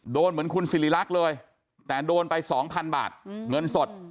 โดนเหมือนคุณสิริรักษ์เลยแต่โดนไป๒๐๐๐บาทเงินสด